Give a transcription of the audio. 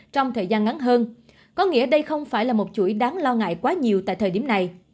trong thời gian ngắn hơn có nghĩa đây không phải là một chuỗi đáng lo ngại quá nhiều tại thời điểm này